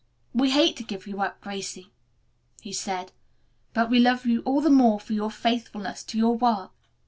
"We hate to give you up, Gracie," he said, "but we love you all the more for your faithfulness to your work."